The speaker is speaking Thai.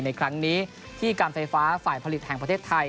ในครั้งนี้ที่การไฟฟ้าฝ่ายผลิตแห่งประเทศไทย